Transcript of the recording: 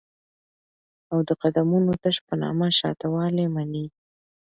او دقومونو تش په نامه شته والى مني